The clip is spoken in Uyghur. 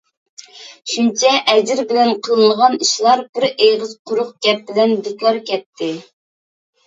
شۇنچە ئەجرى بىلەن قىلىنغان ئىشلار بىر ئېغىز قۇرۇق گەپ بىلەن بىكار كەتتى.